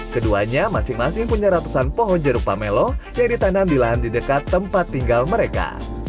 keduanya masing masing punya ratusan pohon jeruk pamelo yang ditanam di lahan di dekat tempat tinggal mereka